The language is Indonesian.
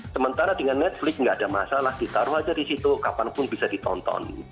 sementara dengan netflix nggak ada masalah ditaruh aja di situ kapanpun bisa ditonton